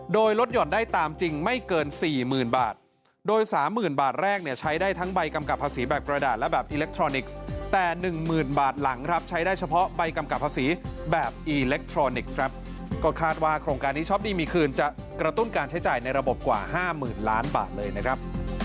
โดยลดหย่อนได้ตามจริงไม่เกิน๔๐๐๐บาทโดย๓๐๐๐บาทแรกเนี่ยใช้ได้ทั้งใบกำกับภาษีแบบกระดาษและแบบอิเล็กทรอนิกส์แต่๑๐๐๐บาทหลังครับใช้ได้เฉพาะใบกำกับภาษีแบบอิเล็กทรอนิกส์ครับก็คาดว่าโครงการนี้ช้อปดีมีคืนจะกระตุ้นการใช้จ่ายในระบบกว่า๕๐๐๐ล้านบาทเลยนะครับ